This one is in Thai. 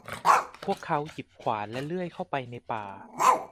พวกเขาหยิบขวานและเลื่อยเข้าไปในป่า